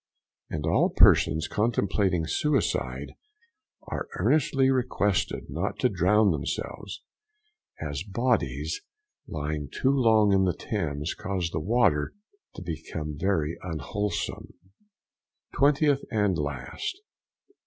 And all persons contemplating suicide, are earnestly requested not to drown themselves, as bodies lying too long in the Thames cause the water to become very unwholesome. 20th and last.